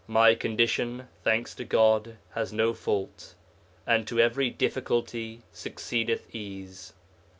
My condition, thanks to God, has no fault, and "to every difficulty succeedeth ease."